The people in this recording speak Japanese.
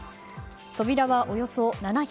扉はおよそ７００ｋｇ